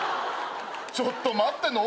ちょっと待って。